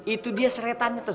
itu dia seretannya tuh